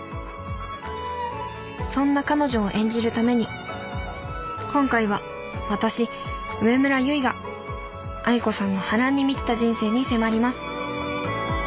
そんな彼女を演じるために今回は私植村友結が愛子さんの波乱に満ちた人生に迫ります